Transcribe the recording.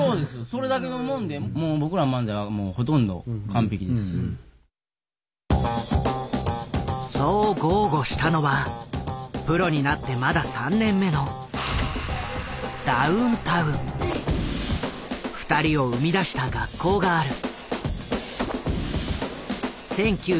それだけのもんでもうそう豪語したのはプロになってまだ３年目の二人を生み出した学校がある。